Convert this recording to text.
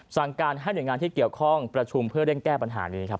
สั่งการให้หน่วยงานที่เกี่ยวข้องประชุมเพื่อเร่งแก้ปัญหานี้ครับ